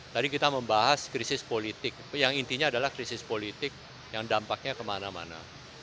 tadi kita membahas krisis politik yang intinya adalah krisis politik yang dampaknya kemana mana